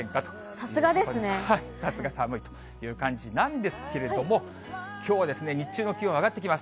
さすが寒いという感じなんですけれども、きょうは日中の気温、上がってきます。